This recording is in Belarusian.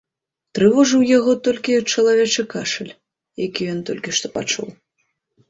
Трывожыў яго толькі чалавечы кашаль, які ён толькі што пачуў.